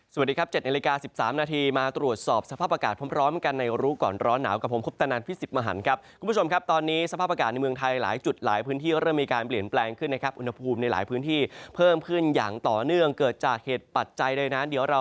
สวัสดีครับ๗นาฬิกา๑๓นาทีมาตรวจสอบสภาพอากาศพร้อมกันในรู้ก่อนร้อนหนาวกับผมคุปตนันพิสิทธิ์มหันครับคุณผู้ชมครับตอนนี้สภาพอากาศในเมืองไทยหลายจุดหลายพื้นที่เริ่มมีการเปลี่ยนแปลงขึ้นนะครับอุณหภูมิในหลายพื้นที่เพิ่มขึ้นอย่างต่อเนื่องเกิดจากเหตุปัจจัยใดนั้นเดี๋ยวเรา